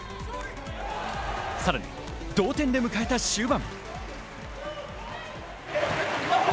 さらに同点で迎えた終盤。